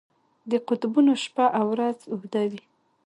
د قطبونو شپه او ورځ اوږده وي.